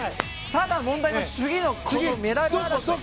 ただ、問題は次のメダル争い。